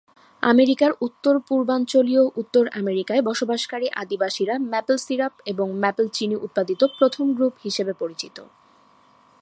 আমেরিকার উত্তর-পূর্বাঞ্চলীয় উত্তর আমেরিকায় বসবাসকারী আদিবাসীরা ম্যাপেল সিরাপ এবং ম্যাপেল চিনি উৎপাদিত প্রথম গ্রুপ হিসেবে পরিচিত।